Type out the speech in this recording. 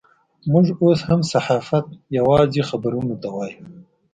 موږ اوس هم صحافت یوازې خبرونو ته وایو.